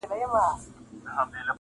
په پسته ژبه دي تل يم نازولى٫